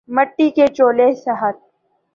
مٹی کے چولہے صحت